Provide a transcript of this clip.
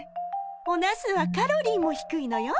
おなすはカロリーも低いのよ。